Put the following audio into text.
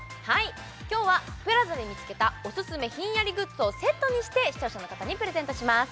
今日はＰＬＡＺＡで見つけたおすすめひんやりグッズをセットにして視聴者の方にプレゼントします